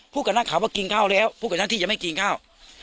กับนักข่าวว่ากินข้าวแล้วพูดกับหน้าที่จะไม่กินข้าว